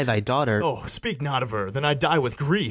Ay, thy daughter BARABAS. O, speak not of her! then I die with grief.